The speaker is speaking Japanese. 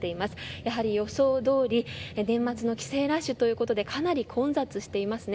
やはり予想どおり、年末の帰省ラッシュということでかなり混雑しています。